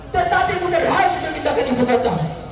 tetapi mudah harus memintakan ibu kota